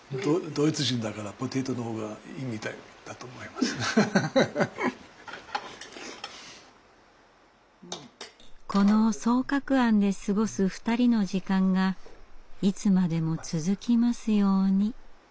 まあこの双鶴庵で過ごす２人の時間がいつまでも続きますように。